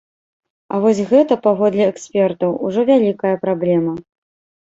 А вось гэта, паводле экспертаў, ужо вялікая праблема.